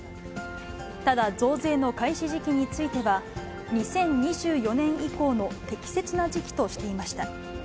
ただ、増税の開始時期については、２０２４年以降の適切な時期としていました。